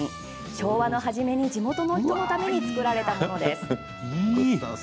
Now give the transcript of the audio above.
昭和の初めに地元の人のためにつくられたものです。